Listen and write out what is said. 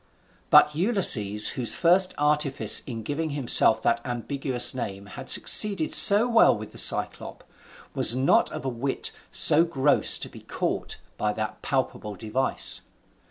But Ulysses, whose first artifice in giving himself that ambiguous name had succeeded so well with the Cyclop, was not of a wit so gross to be caught by that palpable device.